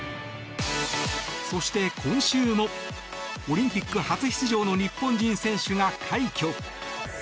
そして今週もオリンピック初出場の日本人選手が快挙。